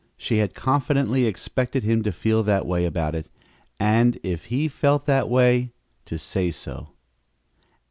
She had confidently expected him to feel that way about it, and, if he felt that way, to say so.